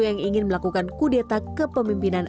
yang ingin melakukan kudeta ke pemimpinan